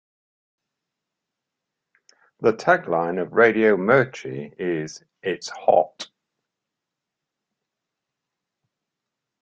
The tagline of Radio Mirchi is "It's hot!".